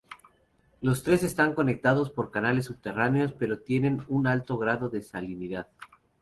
Los tres están conectados por canales subterráneos pero tienen un alto grado de salinidad.